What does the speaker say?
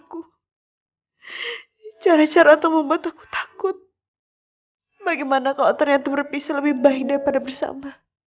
kita bisa lebih baik daripada bersama